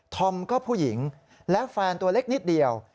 อมก็ผู้หญิงและแฟนตัวเล็กนิดเดียว